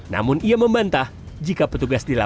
namun ia membantah jika petugas dilakukan